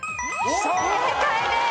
正解です。